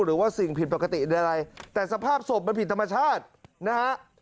หรือว่าสิ่งผิดปกติหรืออะไรแต่สภาพศพมันผิดธรรมชาตินะฮะ